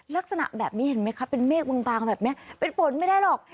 ลักษณะแบบนี้เห็นไหมคะเป็นเมฆบางแบบนี้เป็นฝนไม่ได้หรอก